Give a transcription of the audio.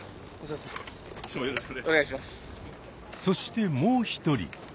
そしてもう一人。